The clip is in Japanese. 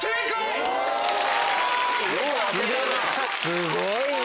すごいな！